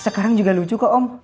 sekarang juga lucu kok om